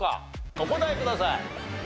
お答えください。